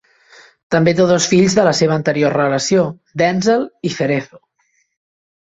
També té dos fills de la seva anterior relació, Denzell i Cerezo.